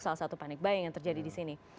salah satu panik bayi yang terjadi di sini